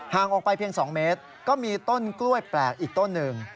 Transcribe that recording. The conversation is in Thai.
ออกไปเพียง๒เมตรก็มีต้นกล้วยแปลกอีกต้นหนึ่ง